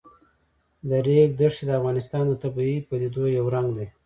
د ریګ دښتې د افغانستان د طبیعي پدیدو یو رنګ دی.